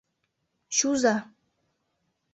— Чуза!